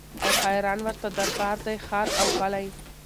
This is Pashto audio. او حیران ورته دربار دی ښار او کلی